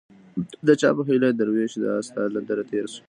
د چا په هيله چي دروېش دا ستا له دره تېر سو